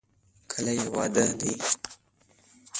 کله یې واده دی؟